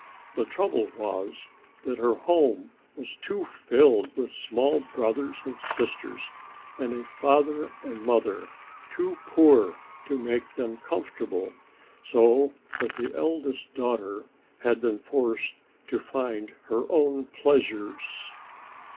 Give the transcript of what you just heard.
The trouble was that her home was too filled with small brothers and sisters and a father and mother too poor to make them comfortable, so that the eldest daughter had been forced to find her own pleasures.